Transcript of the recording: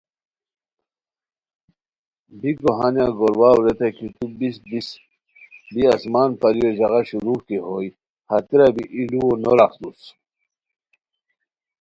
بیکو ہانیہ گور واؤ ریتائے کی تو بیس بیس، بی آسمان پریو ژاغہ شروغ کی ہوئے ہتیرا بی ای لوؤ نو راخڅوس